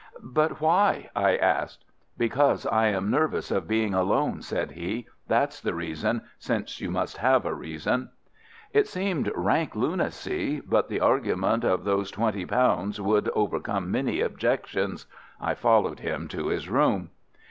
"But why?" I asked. "Because I am nervous of being alone," said he. "That's the reason, since you must have a reason." It seemed rank lunacy, but the argument of those twenty pounds would overcome many objections. I followed him to his room.